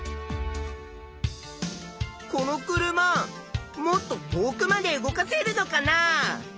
この車もっと遠くまで動かせるのかなあ？